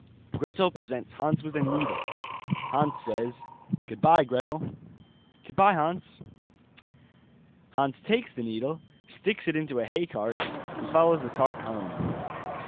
Gretel presents Hans with a needle, Hans says: 'Goodbye, Gretel.' 'Goodbye, Hans.' Hans takes the needle, sticks it into a hay cart, and follows the cart home.